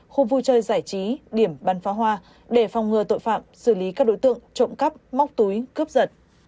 khu vui chơi giải trí điểm bắn phá hoa để phòng ngừa tội phạm xử lý các đối tượng trộm cắp móc túi cướp giật